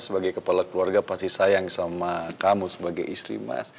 sebagai kepala keluarga pasti sayang sama kamu sebagai istri mas